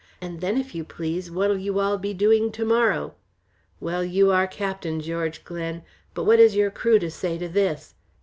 And then if you please, what'll you all be doing to morrow? Well, you are captain, George Glen, but what has your crew to say to this?